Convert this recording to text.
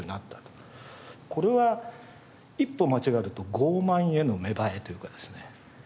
これは一歩間違えると傲慢への芽生えというかですね。